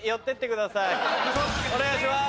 お願いします。